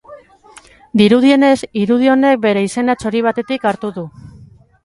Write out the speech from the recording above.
Dirudienez, irudi honek bere izena txori batetik hartu du.